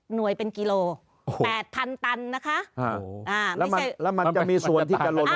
หน่วยเป็นกิโลแปดพันตันนะคะอ่าแล้วมันแล้วมันจะมีส่วนที่จะหล่น